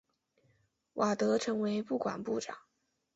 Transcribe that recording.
瓦德成为不管部长。